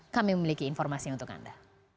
kami memiliki informasi untuk anda